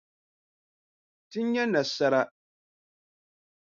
Ti nya nasara.